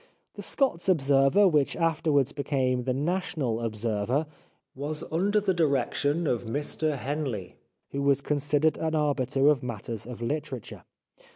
The Scots Observer, which afterwards became The National Observer, was under the direction of Mr Henley, who was considered an arbiter in matters of literature.